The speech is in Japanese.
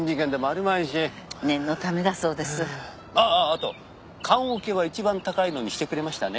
あと棺おけは一番高いのにしてくれましたね？